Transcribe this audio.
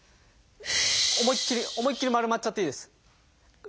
思いっきり思いっきり丸まっちゃっていいです。